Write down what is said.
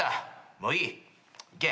もういい行け。